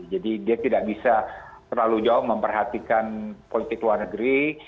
dia tidak bisa terlalu jauh memperhatikan politik luar negeri